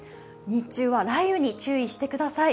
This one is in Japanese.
日中は雷雨に注意してください。